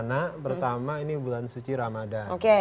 nah pertama ini bulan suci ramadhan